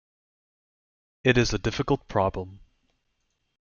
It is a difficult problem.